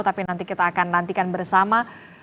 tapi nanti kita akan nantikan bersama